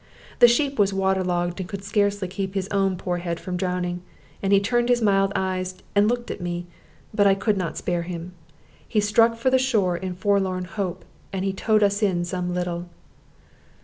The sheep was water logged, and could scarcely keep his own poor head from drowning, and he turned his mild eyes and looked at me, but I could not spare him. He struck for the shore in forlorn hope, and he towed us in some little.